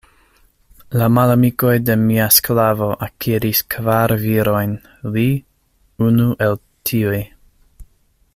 La malamikoj de mia sklavo akiris kvar virojn; li, unu el tiuj.